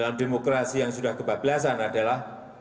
dalam demokrasi yang sudah kebablasan adalah